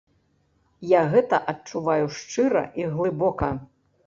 Я гэта адчуваю шчыра і глыбока.